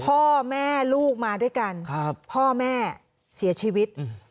พ่อแม่ลูกมาด้วยกันครับพ่อแม่เสียชีวิต